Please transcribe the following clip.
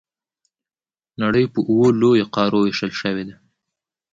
نړۍ په اووه لویو قارو وېشل شوې ده.